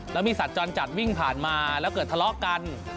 แล้วมีสัตว์จรจัดวิ่งผ่านมาแล้วเกิดทะเลาะกัน